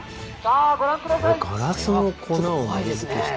ガラスの粉を糊付けした。